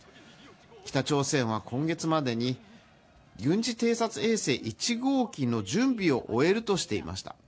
北朝鮮は今月までに軍事偵察衛星１号機の準備を終えるとしていました。